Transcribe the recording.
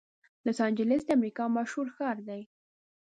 لاس انجلس د امریکا مشهور ښار دی.